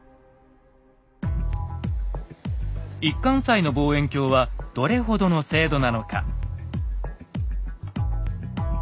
一貫斎の望遠鏡はどれほどの精度なのか。